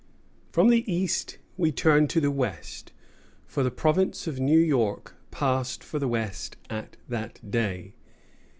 From the East we turn to the West, for the province of New York passed for the West at that day.